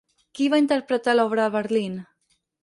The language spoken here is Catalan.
Qui va interpretar l'obra a Berlín?